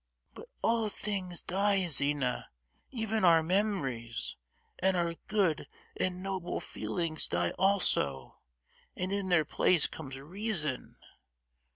"But all things die, Zina, even our memories, and our good and noble feelings die also, and in their place comes reason.